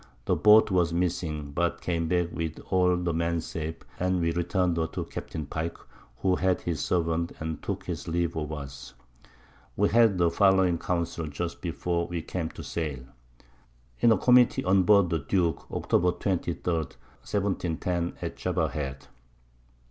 The Boat was missing, but came back with all the Men safe, and we return'd her to Captain Pike, who had his Servant, and took his Leave of us. We held the following Council just before we came to sail. In a Committee on Board the Duke, Octob. 23. 1710. at Java Head.